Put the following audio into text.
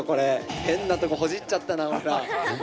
変なところほじっちゃったな、なんか。